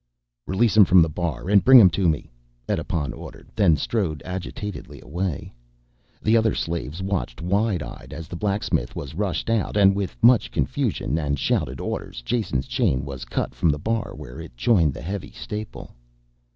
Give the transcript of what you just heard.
"Release him from the bar and bring him to me," Edipon ordered, then strode agitatedly away. The other slaves watched wide eyed as the blacksmith was rushed out, and with much confusion and shouted orders Jason's chain was cut from the bar where it joined the heavy staple.